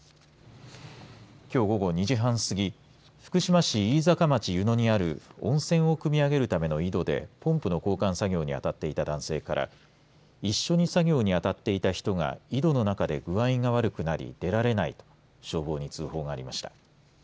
きょう午後２時半すぎ福島市飯坂町湯野にある温泉を、くみ上げるための井戸でポンプの交換作業にあたっていた男性から一緒に作業にあたっていた人が井戸の中で具合が悪くなり出られないと消防に通報がありました。